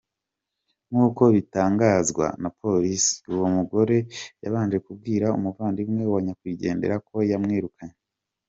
Nkuko bitangazwa na polisi, uwo mugore yabanje kubwira umuvandimwe wa nyakwigendera ko yamwirukanye.